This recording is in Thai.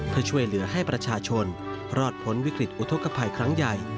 เพื่อช่วยเหลือให้ประชาชนรอดพ้นวิกฤตอุทธกภัยครั้งใหญ่